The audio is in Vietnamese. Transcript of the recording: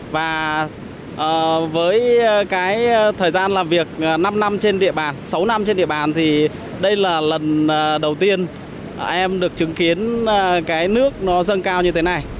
và với thời gian làm việc năm năm trên địa bàn sáu năm trên địa bàn thì đây là lần đầu tiên em được chứng kiến nước sơn cao như thế này